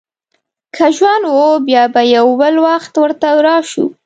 که ژوند و، بیا به یو بل وخت ورته راشو.